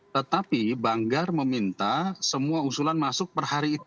tetapi banggar meminta semua usulan masuk per hari itu